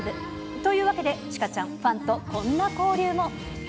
というわけで、朱夏ちゃん、ファンとこんな交流も。